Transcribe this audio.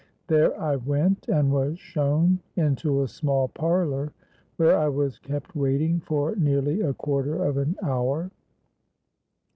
There I went, and was shown into a small parlour, where I was kept waiting for nearly a quarter of an hour.